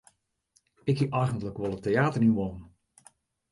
Ik hie eigentlik wol it teäter yn wollen.